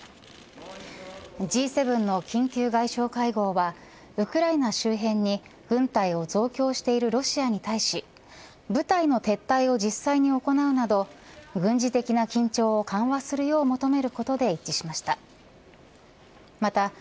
Ｇ７の緊急外相会合はウクライナ周辺に軍隊を増強しているロシアに対し部隊の撤退を実際に行うなど軍事的な緊張を緩和するよう求めることで一致しました。